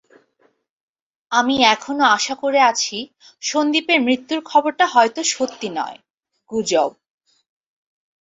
আমি এখনও আশা করে আছি, সন্দীপের মৃত্যুর খবরটা হয়তো সত্যি নয়, গুজব।